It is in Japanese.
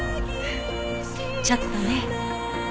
ちょっとね。